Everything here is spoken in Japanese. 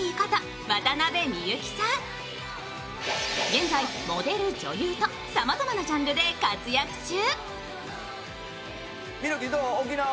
現在、モデル、女優とさまざまなジャンルで活躍中。